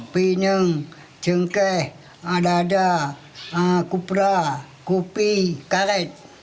pineng jengkeh adada kupra kupi karet